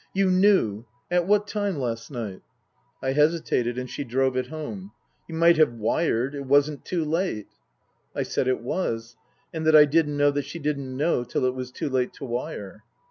" You knew at what time last night ?" I hesitated and she drove it home, " You might have wired. It wasn't too late." I said it was, and that I didn't know that she didn't know till it was too late to wire.